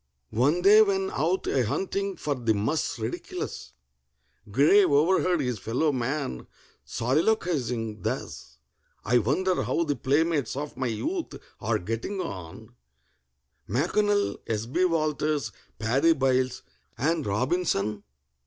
One day, when out a hunting for the mus ridiculus, GRAY overheard his fellow man soliloquizing thus: "I wonder how the playmates of my youth are getting on, M'CONNELL, S. B. WALTERS, PADDY BYLES, and ROBINSON?"